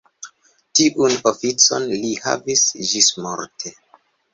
Tiun oficon li havis ĝismorte.